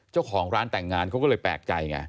เจ้าของร้านแต่งงานเขาก็เลยแปลกใจไง